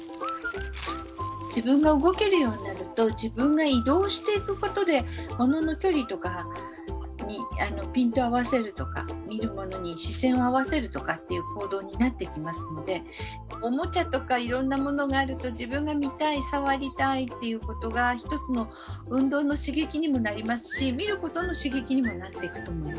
自分が動けるようになると自分が移動していくことでものの距離とかにピントを合わせるとか見るものに視線を合わせるとかっていう行動になってきますのでおもちゃとかいろんなものがあると自分が見たい触りたいということが一つの運動の刺激にもなりますし見ることの刺激にもなっていくと思います。